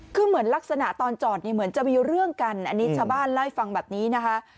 คือเหมือนลักษณะตอนจอดเนี่ยเหมือนจะมีเรื่องกันอันนี้ชาวบ้านเล่าให้ฟังแบบนี้นะคะ